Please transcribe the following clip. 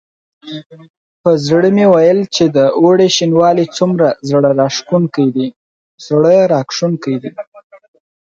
په زړه مې ویل چې د اوړي شینوالی څومره زړه راښکونکی وي.